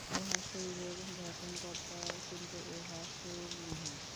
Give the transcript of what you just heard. উহা শরীরের গঠনকর্তা, কিন্তু উহা শরীর নহে।